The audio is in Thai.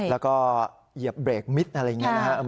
แล้วก็เหยียบเบรกมิตรอะไรอย่างนี้นะครับ